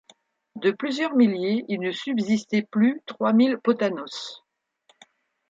De plusieurs milliers, il ne subsistait plus trois mille Potanos.